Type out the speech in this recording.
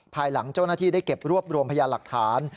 ภายหลังเจ้าหน้าที่ได้เก็บรวบรวมพยานหลักฐาน